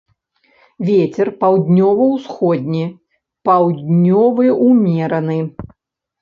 Вецер паўднёва-ўсходні, паўднёвы ўмераны.